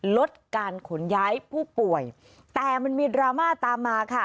ลดการขนย้ายผู้ป่วยแต่มันมีดราม่าตามมาค่ะ